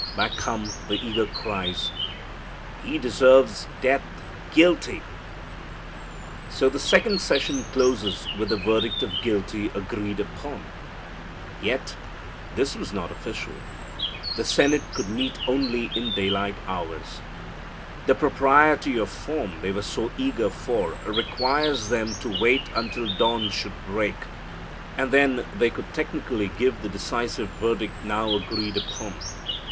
Back come the eager cries, "He deserves death Guilty." So the second session closes with the verdict of guilty agreed upon. Yet this was not official. The senate could meet only in daylight hours. The propriety of form they were so eager for requires them to wait until dawn should break, and then they could technically give the decisive verdict now agreed upon.